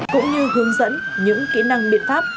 cũng như hướng dẫn những kỹ năng biện pháp